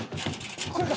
これか！